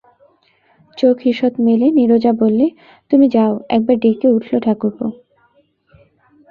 চোখ ঈষৎ মেলে নীরজা বললে, তুমি যাও–একবার ডেকে উঠল, ঠাকুরপো!